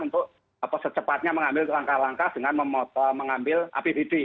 untuk secepatnya mengambil langkah langkah dengan mengambil apbd